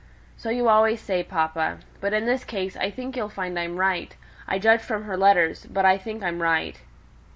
"So you always say, papa. But in this case I think you'll find I'm right. I judge from her letters; but I think I'm right."